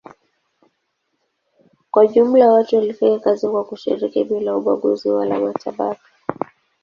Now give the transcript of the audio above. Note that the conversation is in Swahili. Kwa jumla watu walifanya kazi kwa kushirikiana bila ubaguzi wala matabaka.